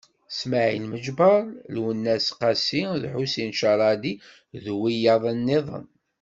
Smaɛil Meǧber, Lwennas Qasi d Ḥusin Cerradi d wiyaḍ-nniḍen.